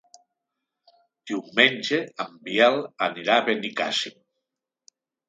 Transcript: Diumenge en Biel anirà a Benicàssim.